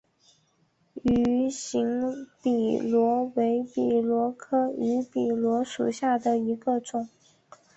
芋形笔螺为笔螺科芋笔螺属下的一个种。